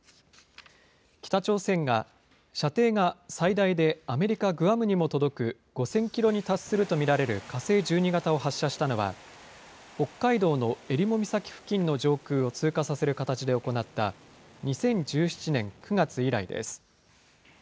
北朝鮮が射程が最大でアメリカ・グアムにも届く５０００キロに達すると見られる火星１２型を発射したのは、北海道の襟裳岬付近の上空を通過させる形で行った、２０１７年９月以来です。